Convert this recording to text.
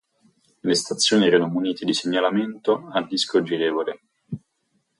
Le stazioni erano munite di segnalamento a disco girevole.